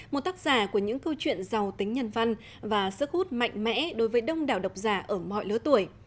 một tác giả của những câu chuyện giàu tính nhân văn và sức hút mạnh mẽ đối với đông đảo độc giả ở mọi lứa tuổi